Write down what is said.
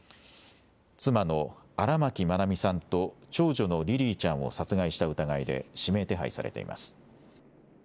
妻の荒牧愛美さんと長女のリリィちゃんを殺害した疑いで指名手配されています。